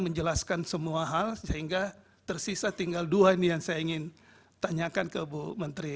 menjelaskan semua hal sehingga tersisa tinggal dua ini yang saya ingin tanyakan ke bu menteri